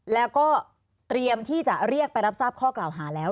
แล้วก็เตรียมที่จะเรียกไปรับทราบข้อกล่าวหาแล้ว